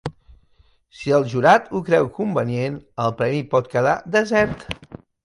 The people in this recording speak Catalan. Si el jurat ho creu convenient, el Premi pot quedar desert.